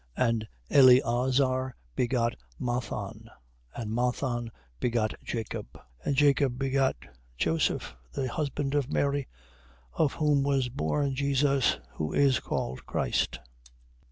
And Eleazar begot Mathan. And Mathan begot Jacob. 1:16. And Jacob begot Joseph the husband of Mary, of whom was born Jesus, who is called Christ.